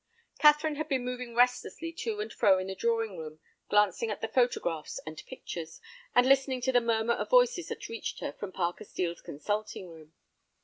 Catherine had been moving restlessly to and fro in the drawing room, glancing at the photographs and pictures, and listening to the murmur of voices that reached her from Parker Steel's consulting room.